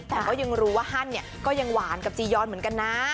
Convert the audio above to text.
แต่ก็ยังรู้ว่าฮันเนี่ยก็ยังหวานกับจียอนเหมือนกันนะ